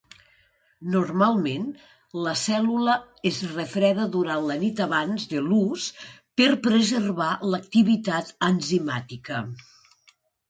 Normalment, la cèl·lula es refreda durant la nit abans de l'ús per preservar l'activitat enzimàtica.